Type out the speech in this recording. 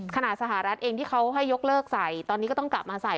สหรัฐเองที่เขาให้ยกเลิกใส่ตอนนี้ก็ต้องกลับมาใส่